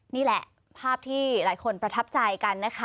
นี่แหละภาพที่หลายคนประทับใจกันนะคะ